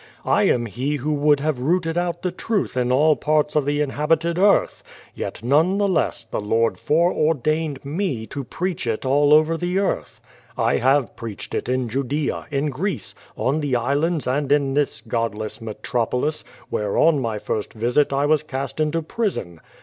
1 am he who would have rooted out the truth in all parts of the inhabited earth, yet none the less the Lord fore ordained me to preach it all over the earth. I liave preached it in Judea, in Greece, on the islands and in this godless metropolis, where on my first visit I was cast into prison.